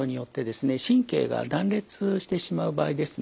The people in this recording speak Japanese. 神経が断裂してしまう場合ですね